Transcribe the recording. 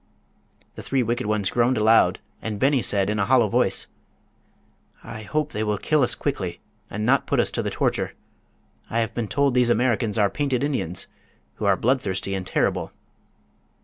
The three wicked ones groaned aloud and Beni said, in a hollow voice: "I hope they will kill us quickly and not put us to the torture. I have been told these Americans are painted Indians, who are bloodthirsty and terrible."